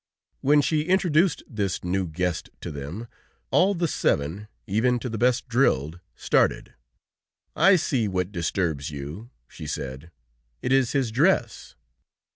When she introduced this new guest to them, all the seven, even to the best drilled, started. "I see what disturbs you," she said. "It is his dress.